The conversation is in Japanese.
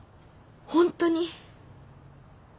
本当に？